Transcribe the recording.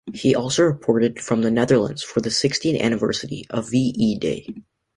He also reported from the Netherlands for the sixtieth anniversary of V-E Day.